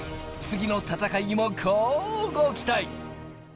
次の戦いにも、こうご期待！